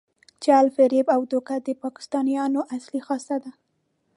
چل، فریب او دوکه د پاکستانیانو اصلي خاصه ده.